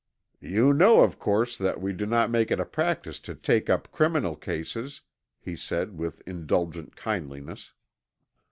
"You know of course that we do not make it a practice to take up criminal cases?" he said with indulgent kindliness.